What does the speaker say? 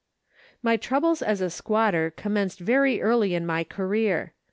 My troubles as a squatter commenced very early in my career.